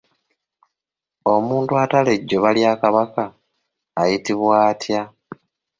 Omuntu atala ejjoba lya Kabaka ayitibwa atya?